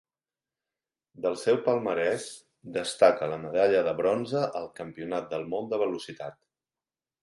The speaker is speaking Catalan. Del seu palmarès destaca la medalla de bronze al Campionat del món de velocitat.